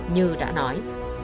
như đã nói